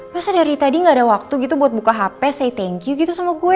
biasanya dari tadi gak ada waktu gitu buat buka hp saya thank you gitu sama gue